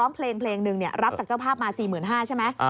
เพลงนึงรับจากเจ้าภาพมา๔๕๐๐๐บาท